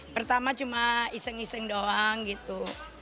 pertama cuma iseng iseng doang gitu